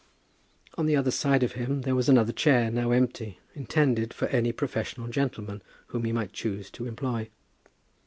On the other side of him there was another chair, now empty, intended for any professional gentleman whom he might choose to employ.